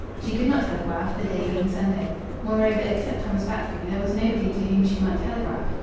She could not telegraph the day being Sunday. Moreover, except Thomas Batchgrew, there was nobody to whom she might telegraph.